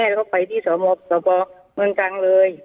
แล้วก็ไปที่สพเมืองตรังเลย